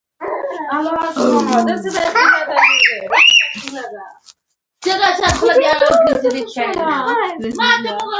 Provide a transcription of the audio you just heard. دوهم: ډاکټر صاحب بې حوصلې دی.